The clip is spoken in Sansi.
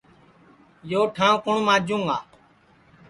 یو ٹھانٚو کُوٹؔ ماجوں گا